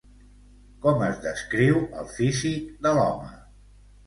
Com es descriu el físic de l'home?